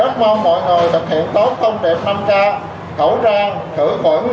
rất mong mọi người thực hiện tốt thông điệp năm k khẩu trang thử khuẩn